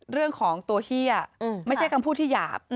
เรื่องของตัวเฮียไม่ใช่คำพูดที่หยาบ